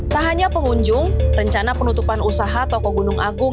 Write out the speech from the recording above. tak hanya pengunjung rencana penutupan usaha toko gunung agung